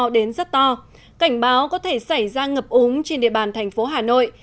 đến rất to cảnh báo có thể xảy ra ngập úng trên địa bàn thành phố hà nội